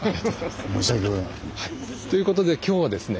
ということで今日はですね